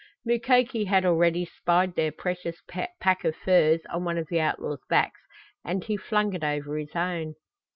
Mukoki had already spied their precious pack of furs on one of the outlaw's backs, and he flung it over his own.